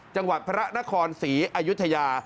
จังหวัดพระนครศรีอายุทยา